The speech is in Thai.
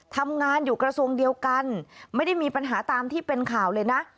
ทำงานอยู่กระทรวงเดียวกันไม่ได้มีปัญหาตามที่เป็นข่าวเลยนะ